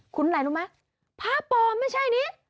คุ้นอะไรรู้ไหมพาพรไม่ใช่นี้